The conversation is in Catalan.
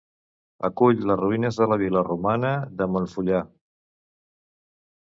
Acull les ruïnes de la vil·la romana de Montfullà.